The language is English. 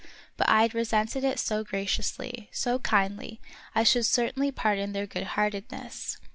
But I had resented it so graciously, so kindly, — I should certainly pardon their good heartedness.